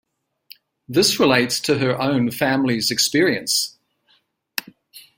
This relates to her own family's experience.